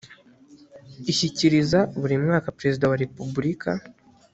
ishyikiriza buri mwaka perezida wa repubulika